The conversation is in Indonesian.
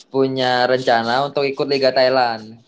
punya rencana untuk ikut liga thailand